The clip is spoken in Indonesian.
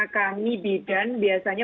kami bidan biasanya